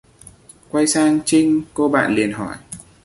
quay sang Trinh cô bạn liền hỏi